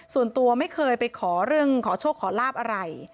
ส่วนตัวไม่เคยไปขอเรื่องขอโชคขอลาบอะไร